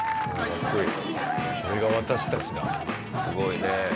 すごいね。